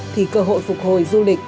thì cơ hội phục hồi du lịch